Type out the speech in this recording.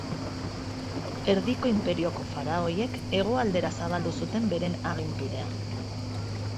Erdiko Inperioko faraoiek hegoaldera zabaldu zuten beren aginpidea